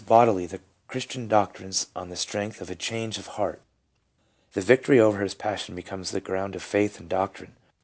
341 bodily the Christian doctrines on the strength of a change of heart ! The victory over his passion becomes the ground of faith in doctrine.